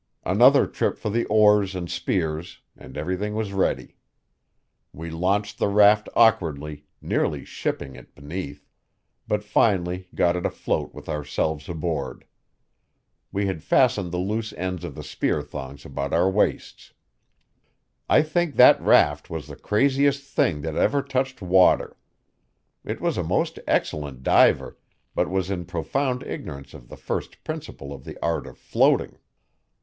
Another trip for the oars and spears, and everything was ready. We launched the raft awkwardly, nearly shipping it beneath; but finally got it afloat with ourselves aboard. We had fastened the loose ends of the spear thongs about our waists. I think that raft was the craziest thing that ever touched water. It was a most excellent diver, but was in profound ignorance of the first principle of the art of floating.